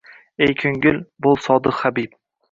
Ey ko’ngil, bo’l sodiq habib